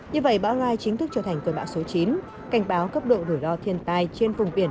như vậy bão rai chính thức trở thành cơn bão số chín cảnh báo cấp độ đổi đo thiên tai trên vùng biển